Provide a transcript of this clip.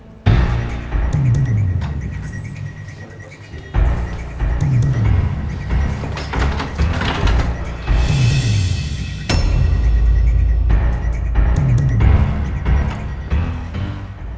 kita harus masuk sini